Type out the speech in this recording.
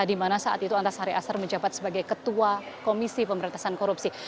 di mana saat itu antasari azhar menjabat sebagai ketua komisi pemberantasan korupsi